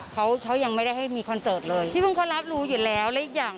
ว่าเขายังไม่ได้ให้มีคอนเซิร์ตเลยเมื่อค้นรับรู้แล้วอีกอย่าง